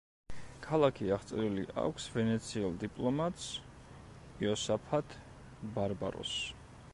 ქალაქი აღწერილი აქვს ვენეციელ დიპლომატს იოსაფატ ბარბაროს.